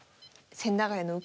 千駄ヶ谷の受け